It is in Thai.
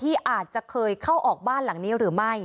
อาจจะเคยเข้าออกบ้านหลังนี้หรือไม่